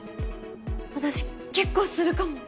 私結構するかも！